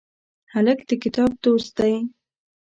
هلک د کتاب دوست دی.